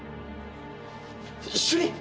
主任！